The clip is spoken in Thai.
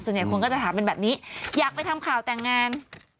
ส่วนใหญ่คนก็จะถามเป็นแบบนี้อยากไปทำข่าวแต่งงาน